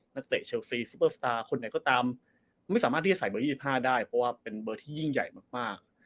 นักเตะเชลซีซูเปอร์สตาร์คนไหนก็ตามไม่สามารถที่จะใส่เบอร์๒๕ได้เพราะว่าเป็นเบอร์ที่ยิ่งใหญ่มาก